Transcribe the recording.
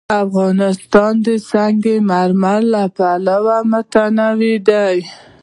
افغانستان د سنگ مرمر له پلوه متنوع دی.